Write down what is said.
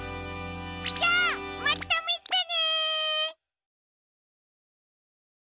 じゃあまたみてね！